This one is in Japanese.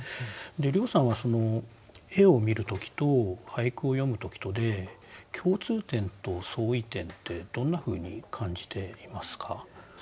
涼さんは絵を見る時と俳句を詠む時とで共通点と相違点ってどんなふうに感じていますか？